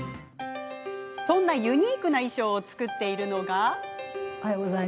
そんなユニークな衣装を作っているのが。